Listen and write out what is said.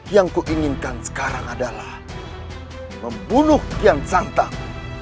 yang ku inginkan sekarang adalah membunuh kian santang